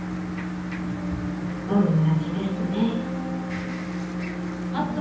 おんなじですね。